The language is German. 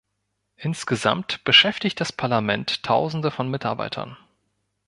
Insgesamt beschäftigt das Parlament Tausende von Mitarbeitern.